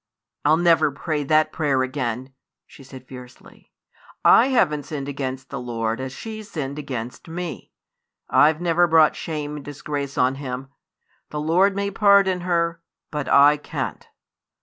"I'll never pray that prayer again!" she said fiercely. "I haven't sinned against the Lord as she's sinned against me. I've never brought shame and disgrace on Him. The Lord may pardon her, but I can't!"